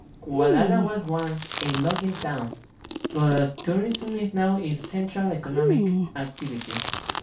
Gualala was once a logging town, but tourism is now its central economic activity.